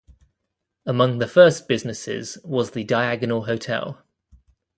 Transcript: Among the first businesses was the Diagonal Hotel.